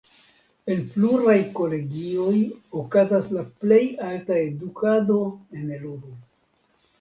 En pluraj kolegioj okazas la plej alta edukado en Eluru.